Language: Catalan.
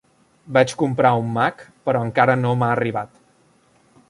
Vaig comprar un Mac però encara no m'ha arribat.